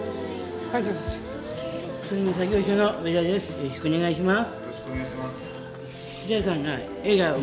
よろしくお願いします。